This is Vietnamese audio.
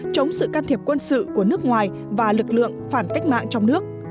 chống sự can thiệp quân sự của nước ngoài và lực lượng phản cách mạng trong nước